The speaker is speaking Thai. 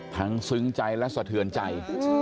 ทั้งซึงใจและสะเทือนใจ